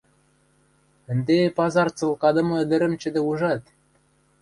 Ӹнде пазар цылкадымы ӹдӹрӹм чӹдӹ ужат.